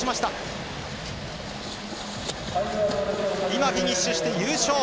今、フィニッシュして優勝。